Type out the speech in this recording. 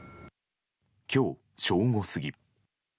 今日正午過ぎ。